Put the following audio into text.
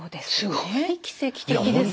すごい奇跡的ですね。